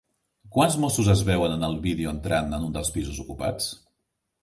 Quants mossos es veuen en el vídeo entrant en un dels pisos ocupats?